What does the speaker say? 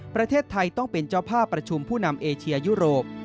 ประเทศไทยต้องเป็นเจ้าภาพประชุมผู้นำเอเชียยุโรป